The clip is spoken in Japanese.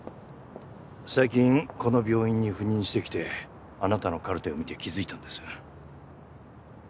最近この病院に赴任してきてあなたのカルテを見て気づいたんです。